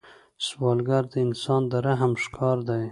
سوالګر د انسان د رحم ښکار دی